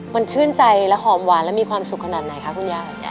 มันชื่นใจและหอมหวานและมีความสุขขนาดไหนคะคุณยาย